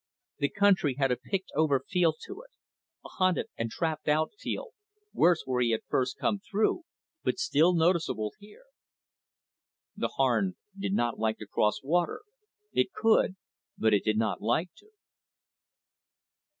The country had a picked over feel to it, a hunted and trapped out feel, worse where he had first come through, but still noticeable here. _The Harn did not like to cross water, it could, but it did not like to.